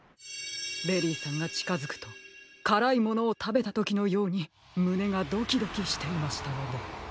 ベリーさんがちかづくとからいものをたべたときのようにむねがドキドキしていましたので。